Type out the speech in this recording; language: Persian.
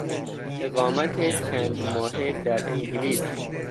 اقامت چند ماهه در انگلیس